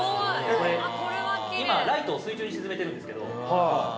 これ今ライトを水中に沈めてるんですけど。